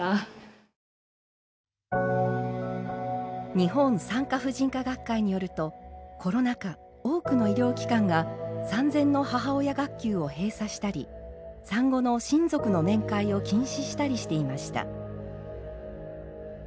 日本産科婦人科学会によるとコロナ禍多くの医療機関が産前の母親学級を閉鎖したり産後の親族の面会を禁止したりしていました。